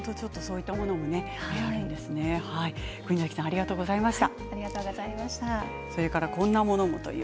国崎さんありがとうございました。